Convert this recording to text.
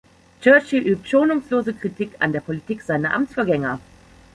Churchill übt schonungslose Kritik an der Politik seiner Amtsvorgänger.